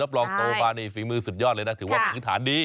รองโตมานี่ฝีมือสุดยอดเลยนะถือว่าพื้นฐานดี